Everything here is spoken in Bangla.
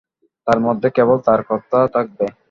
তার মধ্যে কেবল তাঁর কথা থাকবে।